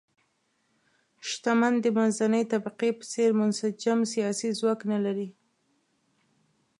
شتمن د منځنۍ طبقې په څېر منسجم سیاسي ځواک نه لري.